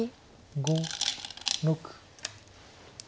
５６。